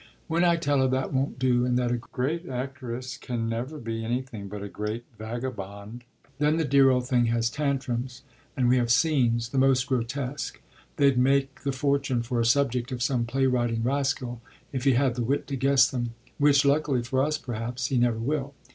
When I tell her that won't do and that a great actress can never be anything but a great vagabond, then the dear old thing has tantrums, and we have scenes the most grotesque: they'd make the fortune, for a subject, of some play writing rascal, if he had the wit to guess them; which, luckily for us perhaps, he never will.